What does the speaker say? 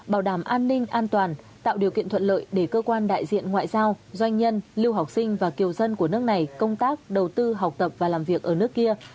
bảo đảm an ninh an toàn tạo điều kiện thuận lợi để cơ quan đại diện ngoại giao doanh nhân lưu học sinh và kiều dân của nước này công tác đầu tư học tập và làm việc ở nước kia